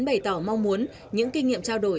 bày tỏ mong muốn những kinh nghiệm trao đổi